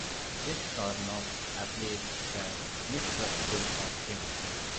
Yet Sarnoff's affiliates were mistrustful of him.